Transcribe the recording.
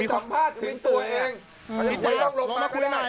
อยู่ข้างบนน่ะอยู่ข้างบนอยู่นั่นแหละงั้นเดี๋ยวเราจะไปสัมภาษณ์ถึงตัวเอง